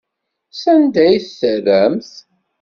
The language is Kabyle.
Sanda ay t-terramt?